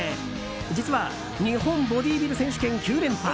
実は日本ボディビル選手権９連覇